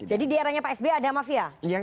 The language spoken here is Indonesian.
jadi di eranya pak s b ada mafia